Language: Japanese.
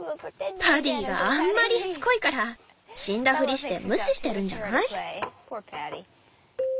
パディがあんまりしつこいから死んだふりして無視してるんじゃない？